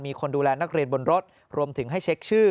มีคนดูแลนักเรียนบนรถรวมถึงให้เช็คชื่อ